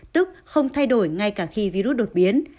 tức không thay đổi ngay cả khi virus đột biến